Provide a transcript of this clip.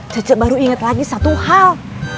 cece baru inget lagi satu hal